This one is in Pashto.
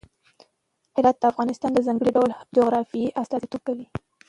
هرات د افغانستان د ځانګړي ډول جغرافیه استازیتوب کوي.